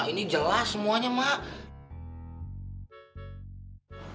ini jelas semuanya emak